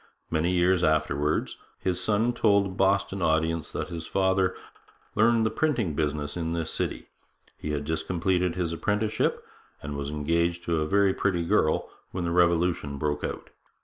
Many years afterwards his son told a Boston audience that his father 'learned the printing business in this city. He had just completed his apprenticeship, and was engaged to a very pretty girl, when the Revolution broke out.